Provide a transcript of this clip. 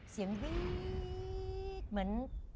เสียงวี๊ด